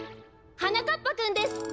はなかっぱくんです！